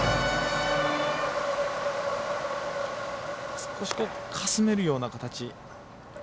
少し、かすめるような形。